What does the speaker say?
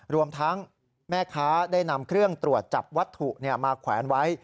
รวมทั้งแม่ค้าได้นำเครื่องตรวจจับวัตถุมาแขวนไว้